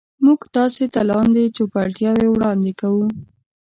موږ تاسو ته لاندې چوپړتیاوې وړاندې کوو.